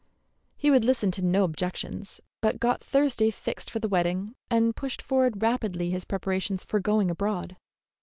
He would listen to no objections, but got Thursday fixed for the wedding, and pushed forward rapidly his preparations for going abroad.